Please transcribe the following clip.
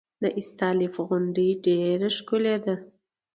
د استالف غونډۍ ډیره ښکلې ده